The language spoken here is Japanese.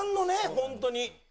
本当に。